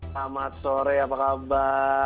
selamat sore apa kabar